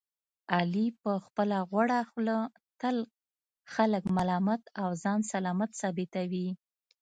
علي په خپله غوړه خوله تل خلک ملامت او ځان سلامت ثابتوي.